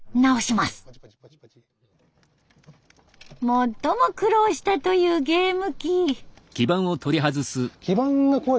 最も苦労したというゲーム機。